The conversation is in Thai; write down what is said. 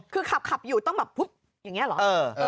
คือขับอยู่ต้องแบบปุ๊บอย่างนี้เหรอ